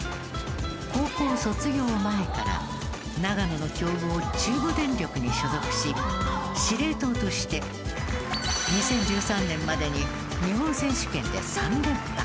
高校卒業前から長野の強豪中部電力に所属し司令塔として２０１３年までに日本選手権で３連覇。